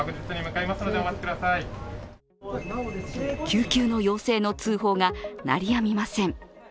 救急の要請の通報が鳴りやみません。